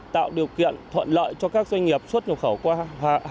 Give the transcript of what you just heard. tạo điều kiện thuận lợi cho các doanh nghiệp xuất nhập khẩu qua hàng hóa